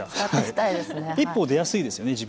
一歩出やすいですよね。